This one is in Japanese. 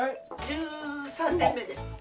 １３年目です。